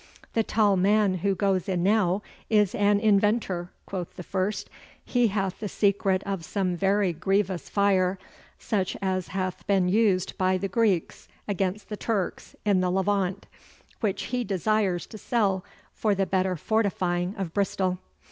'The tall man who goes in now is an inventor,' quoth the first. 'He hath the secret of some very grievous fire, such as hath been used by the Greeks against the Turks in the Levant, which he desires to sell for the better fortifying of Bristol.